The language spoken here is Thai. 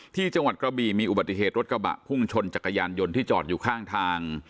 ที่จังหวัดกระบีมีอุบัติเหตุรถกระบะพุ่งชนจักรยานยนต์ที่จอดอยู่ข้างทาง